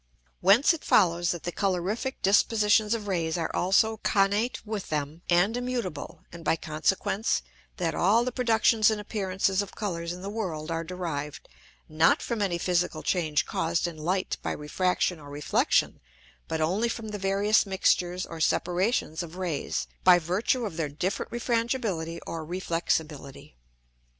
Whence it follows, that the colorifick Dispositions of Rays are also connate with them, and immutable; and by consequence, that all the Productions and Appearances of Colours in the World are derived, not from any physical Change caused in Light by Refraction or Reflexion, but only from the various Mixtures or Separations of Rays, by virtue of their different Refrangibility or Reflexibility.